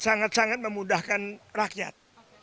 sangat sangat memudahkan rakyat